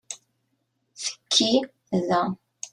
Tekki da.